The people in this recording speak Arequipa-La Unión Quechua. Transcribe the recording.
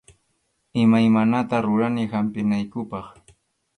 Imaymanata rurani hampinankupaq.